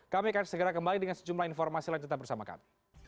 kami akan segera kembali dengan sejumlah informasi lain kita bersamakan